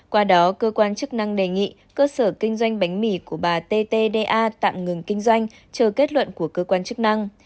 qua đó cơ quan chức năng đề nghị cơ sở kinh doanh bánh mì của bà t t d a tạm ngừng kinh doanh chờ kết luận của cơ quan chức năng